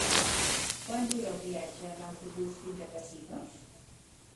Quant dura el viatge en autobús fins a Casinos?